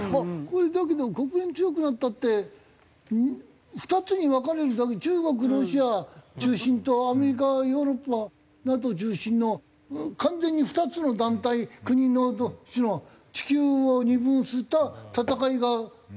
これだけど国連強くなったって２つに分かれるだけ中国ロシア中心とアメリカヨーロッパＮＡＴＯ中心の完全に２つの団体国同士の地球を二分した戦いになるだけじゃねえの？